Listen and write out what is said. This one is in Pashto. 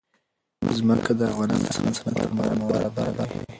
ځمکه د افغانستان د صنعت لپاره مواد برابروي.